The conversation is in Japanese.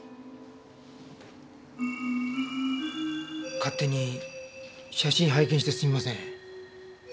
勝手に写真拝見してすみません。